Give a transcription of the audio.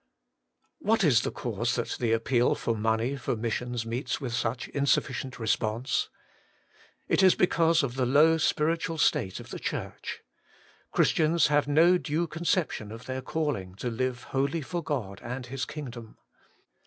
1. What is the cause that the appeal for money for missions meets with such insufficient re sponse? It is because of the low spiritual state of the Church. Christians have no due concep tion of their calling to live wholly for God and His kingdom.